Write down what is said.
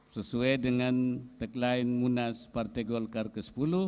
sesuai dengan tagline munas partai golkar ke sepuluh